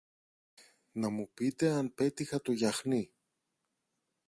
να μου πείτε αν πέτυχα το γιαχνί.